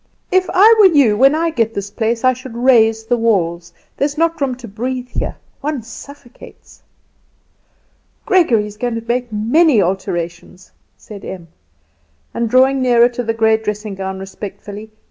If I were you, when I get this place I should raise the walls. There is not room to breathe here. One suffocates." "Gregory is going to make many alterations," said Em; and drawing nearer to the grey dressing gown respectfully.